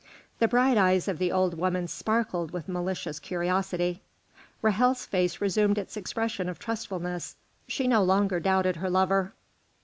The bright eyes of the old woman sparkled with malicious curiosity. Ra'hel's face resumed its expression of trustfulness; she no longer doubted her lover.